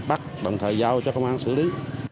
bắt đồng thời giao cho công an xử lý